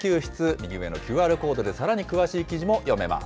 右上のＱＲコードでさらに詳しい記事も読めます。